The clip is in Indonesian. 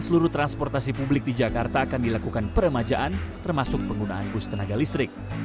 seluruh transportasi publik di jakarta akan dilakukan peremajaan termasuk penggunaan bus tenaga listrik